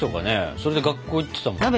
それで学校行ってたんですよね。